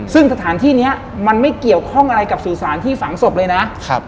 ซึ่งสถานที่นี้มันไม่เกี่ยวข้องอะไรกับสื่อสารที่ฝังศพเลยนะครับ